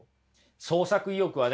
創作意欲はね